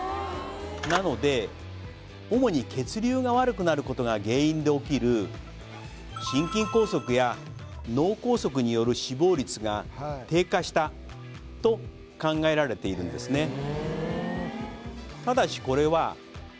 なので主に血流が悪くなることが原因で起きる心筋梗塞や脳梗塞による死亡率が低下したと考えられているんですね